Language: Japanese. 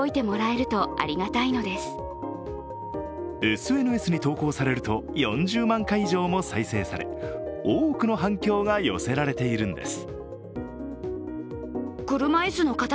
ＳＮＳに投稿されると４０万回以上も再生され多くの反響が寄せられているんです。